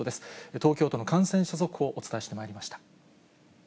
東京都の感染者速報、お伝えしてまいりました。